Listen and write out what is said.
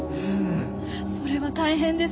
それは大変ですね。